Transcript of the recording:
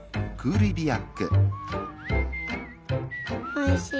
おいしい。